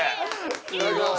いただきます。